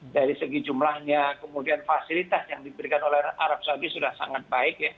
dari segi jumlahnya kemudian fasilitas yang diberikan oleh arab saudi sudah sangat baik